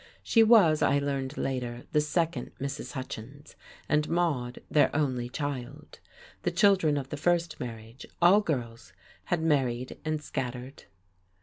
She was, I learned later, the second Mrs. Hutchins, and Maude their only child. The children of the first marriage, all girls, had married and scattered.